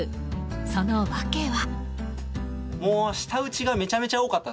その訳は。